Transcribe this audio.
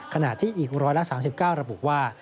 ขณะที่อีก๑๓๙ระบุว่า